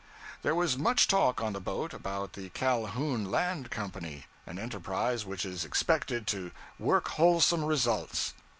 There was much talk on the boat about the Calhoun Land Company, an enterprise which is expected to work wholesome results.